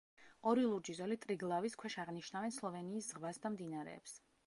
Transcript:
ორი ლურჯი ზოლი ტრიგლავის ქვეშ აღნიშნავენ სლოვენიის ზღვას და მდინარეებს.